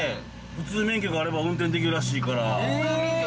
普通免許があれば運転できるできるらしいから。